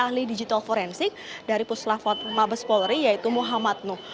dan juga saksi ahli digital forensik dari puslah mabes polri yaitu muhammad nuh